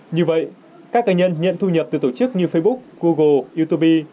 như vậy các cá nhân nhận thu nhập từ tổ chức như facebook google youtube